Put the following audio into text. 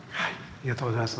ありがとうございます。